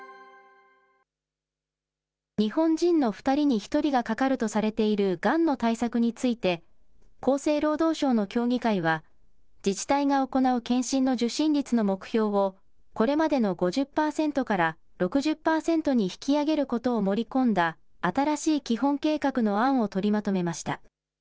日本人の２人に１人がかかるとされているがんの対策について、厚生労働省の協議会は、自治体が行う検診の受診率の目標を、これまでの５０％から６０％に引き上げることを盛り込んだ新しい基本計画の案を取りまとめました。